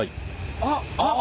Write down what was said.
あっあっ！